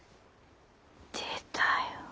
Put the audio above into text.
出たよ。